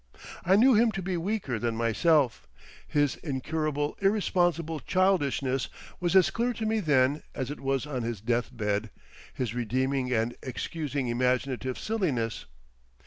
I knew him to be weaker than myself; his incurable, irresponsible childishness was as clear to me then as it was on his deathbed, his redeeming and excusing imaginative silliness.